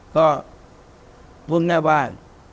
ก็พูดง่ายว่า